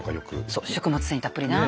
そう食物繊維たっぷりな。